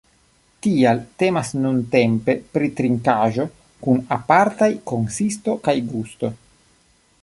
Tial temas nuntempe pri trinkaĵo kun apartaj konsisto kaj gusto.